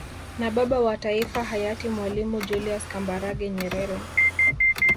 Na Baba wa Taifa hayati Mwalimu Julius Kambarage Nyerere